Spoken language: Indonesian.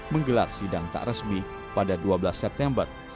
menggelar sidang tak resmi pada dua belas september seribu sembilan ratus empat puluh empat